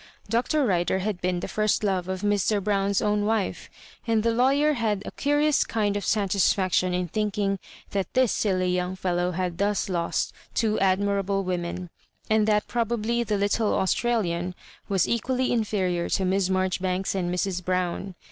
Dr. Rider had been the first love of Mr. Brown's own wife, and the lawyer had a curious kind of satis&ction ui thinkmg that this siUy young fel low had thus lost two admirable women, and that probably the little Australian was equally u3&rior to Miss Marjoribanks and Mrs. Brown.